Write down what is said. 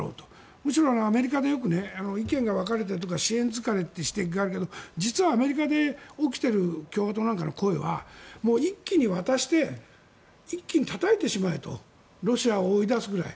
むしろアメリカでよく意見が分かれたり支援疲れとしているけど実はアメリカで起きている共和党なんかの声は一気に渡して一気にたたいてしまえとロシアを追い出すくらい。